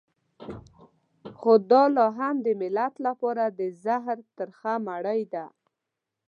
خو دا لا هم د ملت لپاره د زهر ترخه مړۍ ده.